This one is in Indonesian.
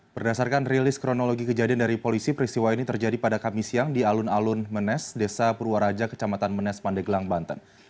berdasarkan rilis kronologi kejadian dari polisi peristiwa ini terjadi pada kamis siang di alun alun menes desa purwaraja kecamatan menes pandeglang banten